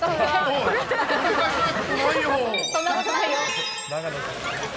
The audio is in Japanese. そんなことないよ。